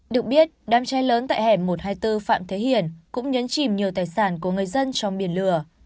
được biết đám cháy lớn tại hẻm một trăm hai mươi bốn phạm thế hiển cũng nhấn chìm nhiều tài sản của người dân trong biển lửa